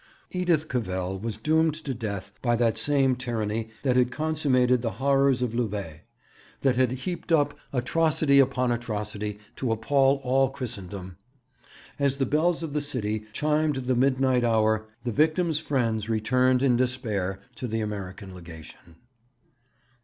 Edith Cavell was doomed to death by that same tyranny that had consummated the horrors of Louvain, that had heaped up atrocity upon atrocity to appal all Christendom. As the bells of the city chimed the midnight hour the victims' friends returned in despair to the American Legation.